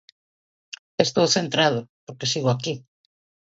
Estou centrado, porque sigo aquí.